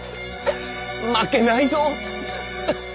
負けないぞ。